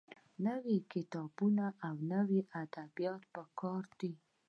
نوي کتابونه او نوي ادبيات پکار دي.